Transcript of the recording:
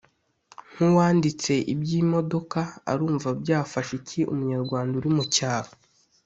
nkuwanditse ibyimodoka arumva byafasha iki umunyarwanda uri mucyaro